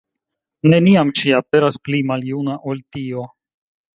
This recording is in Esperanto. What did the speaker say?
Neniam ŝi aperas pli maljuna ol tio.